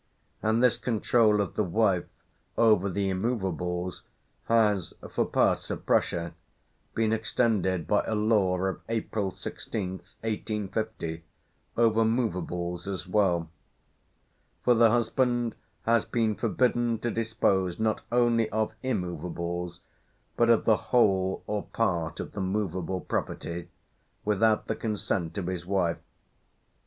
And this control of the wife over the immovables has, for parts of Prussia, been extended by a law of April 16th, 1850, over movables as well; for the husband has been forbidden to dispose not only of immovables, but of the whole or part of the movable property, without the consent of his wife.